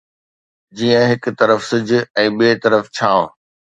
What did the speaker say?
جيئن هڪ طرف سج ۽ ٻئي طرف ڇانو